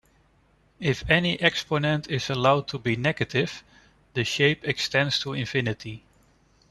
If any exponent is allowed to be negative, the shape extends to infinity.